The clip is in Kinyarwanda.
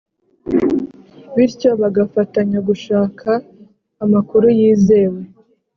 bityo bagafatanya gushaka amakuru yizewe